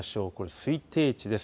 推定値です。